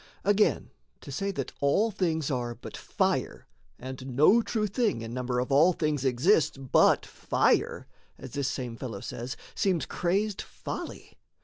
Again, to say that all things are but fire And no true thing in number of all things Exists but fire, as this same fellow says, Seems crazed folly.